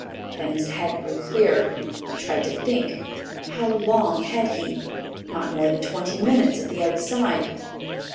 Then his head grew clearer. He tried to think. How long had he? Not more than twenty minutes at the outside.